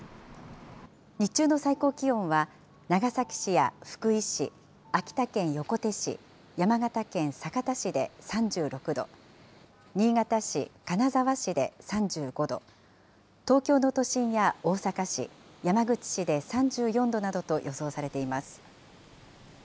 日中の最高気温は長崎市や福井市、秋田県横手市、山形県酒田市で３６度、新潟市、金沢市で３５度、東京の都心や大阪市、山口市で３４度などと予想されています。